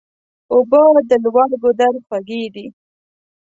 اوبه د لوړ ګودر خوږې دي.